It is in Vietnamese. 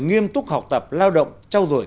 nghiêm túc học tập lao động trau dổi